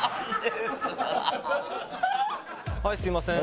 はいすみませーん。